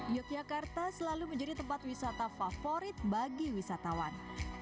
yogyakarta selalu menjadi tempat wisata favorit bagi wisatawan